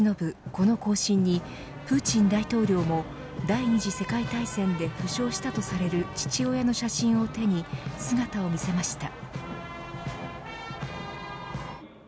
この行進にプーチン大統領も第２次世界大戦で負傷したとされる父親の写真を手に姿を見せました。